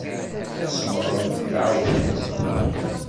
Tesmeɣremt ddeɛwa.